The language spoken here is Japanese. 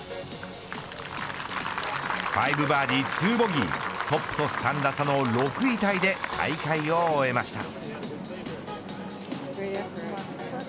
５バーディー２ボギートップと３打差の６位タイで大会を終えました。